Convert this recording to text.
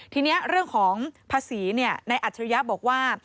ทีนี้เรื่องของภาษีเนี่ยในอัธิริยาบอกว่า